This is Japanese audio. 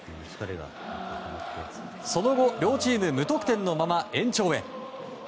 その後両チーム無得点のまま、延長へ。